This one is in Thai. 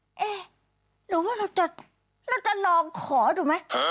เอ๊ะเดี๋ยวว่าเราจะเราจะลองขอดูมั้ย